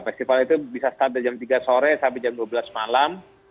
festival itu bisa start dari jam tiga sore sampai jam dua belas malam